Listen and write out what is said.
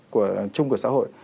của chung của xã hội